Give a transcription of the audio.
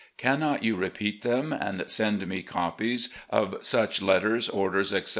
Can not you repeat them, and send me copies of such letters, orders, etc.